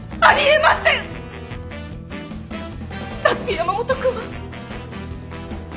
だって山本君は。